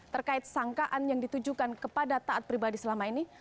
terkait sangkaan yang ditujukan kepada taat pribadi selama ini